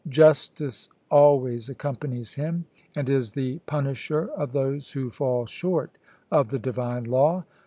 Justice always accompanies Him, and is the punisher of those who fall short of the divine law.